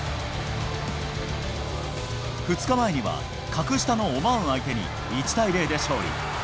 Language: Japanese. ２日前には、格下のオマーン相手に１対０で勝利。